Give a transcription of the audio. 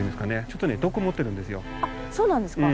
ちょっとね毒持ってるんですよ。